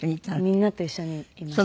みんなと一緒にいました。